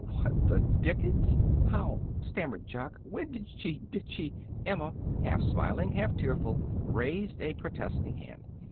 "What the dickens! How!" stammered Jock. "When did she did she " Emma, half smiling, half tearful, raised a protesting hand.